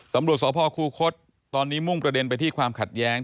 ตำรวจสพคูคศตอนนี้มุ่งประเด็นไปที่ความขัดแย้ง